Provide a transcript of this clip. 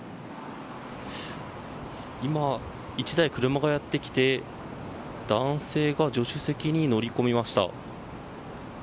今、１台、車がやってきて男性が助手席に乗り込みました。